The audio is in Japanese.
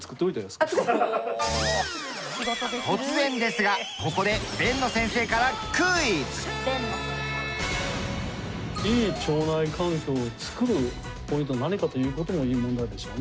突然ですがここで辨野先生からクイズ！いい腸内環境を作るポイントは何か？という事もいい問題でしょうね。